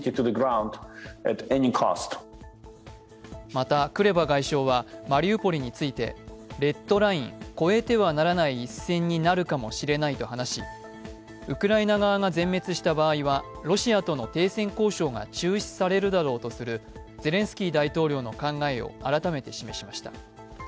また、クレバ外相はマリウポリについてレッドライン＝越えてはならない一線になるかもしれないと話し、ウクライナ側が全滅した場合は、ロシアとの停戦交渉が中止されるだろうとするゼレンスキー大統領の考えを改めて示しました。